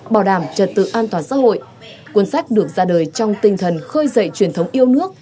bảo đảm trật tự an toàn xã hội cuốn sách được ra đời trong tinh thần khơi dậy truyền thống yêu nước